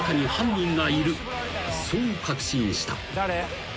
［そう確信した］